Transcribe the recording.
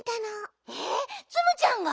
えっツムちゃんが？